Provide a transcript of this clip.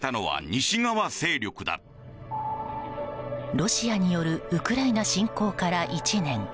ロシアによるウクライナ侵攻から１年。